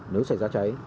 nếu xảy ra cháy